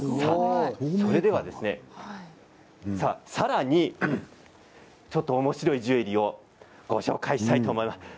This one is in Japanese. それでは、さらにもっとおもしろいジュエリーをご紹介したいと思います。